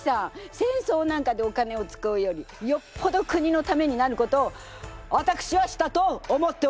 戦争なんかでお金を使うよりよっぽど国のためになることをわたくしはしたと思っております！